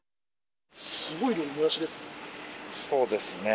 すごい量のもやしですね。